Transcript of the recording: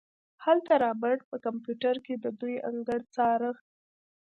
هلته رابرټ په کمپيوټر کې د دوئ انګړ څاره.